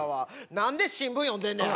何で新聞読んでんねん。